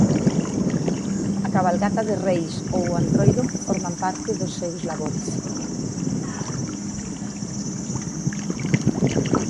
A cabalgata de Reis ou o antroido forman parte dos seus labores.